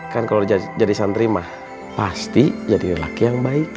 kan kalau jadi santri mah pasti jadi lelaki yang baik